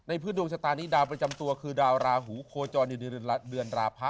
พื้นดวงชะตานี้ดาวประจำตัวคือดาวราหูโคจรอยู่ในเดือนราพะ